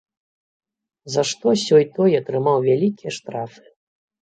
За што сёй-той атрымаў вялікія штрафы.